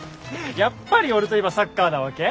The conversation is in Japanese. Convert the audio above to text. やっぱり俺といえばサッカーなわけ？